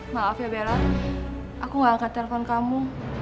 maaf ya bella aku gak akan telepon kamu